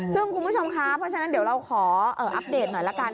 ซึ่งคุณผู้ชมคะเพราะฉะนั้นเดี๋ยวเราขออัปเดตหน่อยละกัน